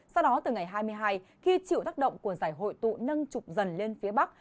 sau đó từ ngày hai mươi hai khi chịu tác động của giải hội tụ nâng trục dần lên phía bắc